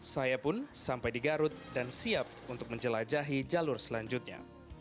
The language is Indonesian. saya pun sampai di garut dan siap untuk menjelajahi jalur selanjutnya